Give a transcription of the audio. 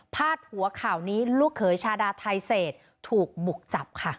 หัวข่าวนี้ลูกเขยชาดาไทเศษถูกบุกจับค่ะ